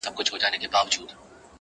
د ژوند په دغه مشالونو کي به ځان ووينم;